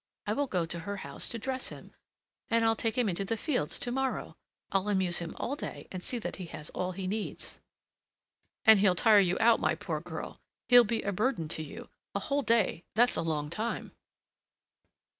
I will go to her house to dress him, and I'll take him into the fields to morrow. I'll amuse him all day, and see that he has all he needs." "And he'll tire you out, my poor girl! He'll be a burden to you! a whole day that's a long while!"